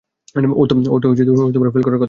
ওর তো ফেল করার কথা না!